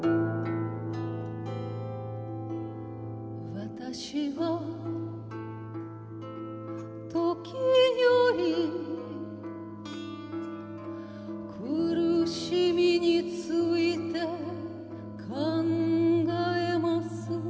「私は時折苦しみについて考えます」